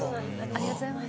ありがとうございます。